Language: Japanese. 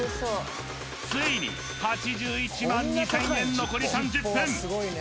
ついに８１万２０００円残り３０分